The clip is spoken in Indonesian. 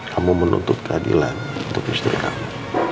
kamu menuntut keadilan untuk istri kami